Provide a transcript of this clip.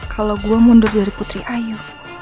kalau gue mundur dari putri ayo